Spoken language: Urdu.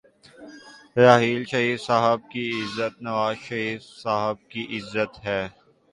راحیل شریف صاحب کی عزت نوازشریف صاحب کی عزت ہے۔